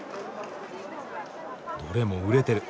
どれも熟れてる。